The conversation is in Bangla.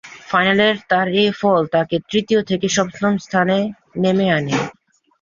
ফাইনালের তার এ ফল তাকে তৃতীয় থেকে সপ্তম স্থানে নেমে আনে।